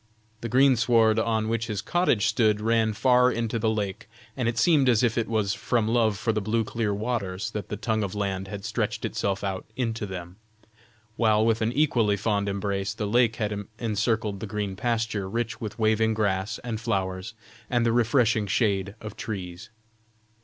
The greensward, on which his cottage stood, ran far into the lake, and it seemed as if it was from love for the blue clear waters that the tongue of land had stretched itself out into them, while with an equally fond embrace the lake had encircled the green pasture rich with waving grass and flowers, and the refreshing shade of trees.